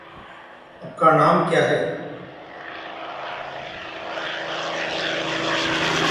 Avengers जैसी फिल्मों में क्या करना चाहती हैं दीपिका पादुकोण? बताया